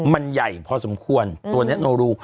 มันใหญ่พอสมควรตัวนี้โนรู